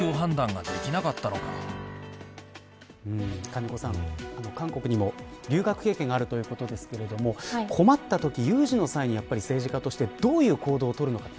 金子さん、韓国にも留学経験があるということですが困ったとき、有事の際に政治家としてどういう行動を取るのか